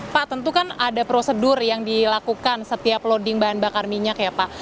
pak tentu kan ada prosedur yang dilakukan setiap loading bahan bakar minyak ya pak